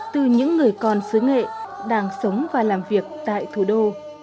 từ những người còn sứ nghệ đang sống và làm việc tại thủ đô